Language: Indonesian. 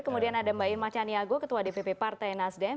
kemudian ada mbak irma caniago ketua dpp partai nasdem